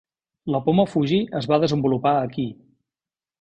La poma Fuji es va desenvolupar aquí.